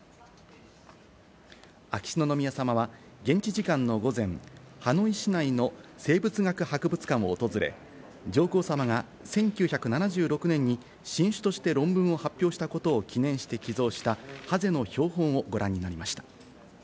秋篠宮さまは現地時間の午前、ハノイ市内の生物学博物館を訪れ、上皇さまが１９７６年に新種として論文を発表したことを記念して寄贈したハゼの標本をご覧になりました。